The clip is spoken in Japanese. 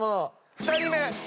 ２人目。